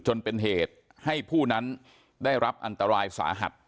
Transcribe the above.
จนเป็นเหตุให้ผู้นั้นได้รับอันตรายสาหัส